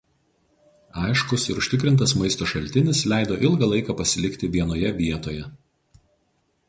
Aiškus ir užtikrintas maisto šaltinis leido ilgą laiką pasilikti vienoje vietoje.